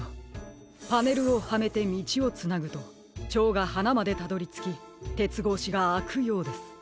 パネルをはめてみちをつなぐとチョウがはなまでたどりつきてつごうしがあくようです。